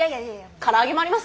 唐揚げもあります？